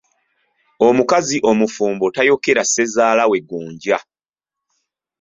Omukazi omufumbo tayokera ssezaala we gonja.